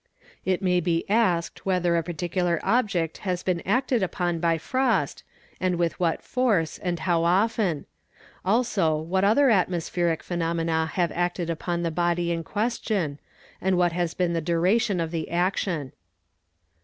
It may be asked whether a particular object has been acted upon by — frost, and with what force, and how often; also what other atmospheric — phenomena have acted upon the body in question and what has been the ~ duration of the action.